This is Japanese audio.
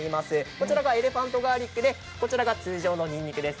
こちらがエレファントガーリックでこちらが通常のにんにくです。